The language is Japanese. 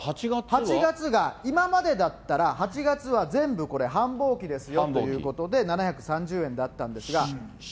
８月は、今までだったら８月は全部、これ、繁忙期ですよということで、７３０円だったんですが。